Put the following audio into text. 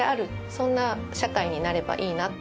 そんな社会になればいいな。